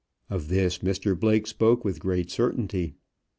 Of this Mr Blake spoke with great certainty.